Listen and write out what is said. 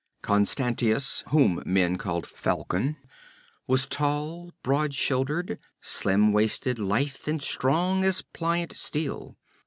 Constantius, whom men called Falcon, was tall, broad shouldered, slim waisted, lithe and strong as pliant steel.